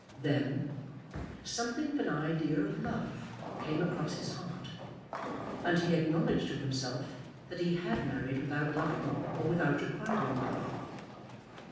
Then something of an idea of love came across his heart, and he acknowledged to himself that he had married without loving or without requiring love.